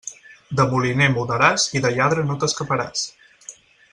De moliner mudaràs i de lladre no t'escaparàs.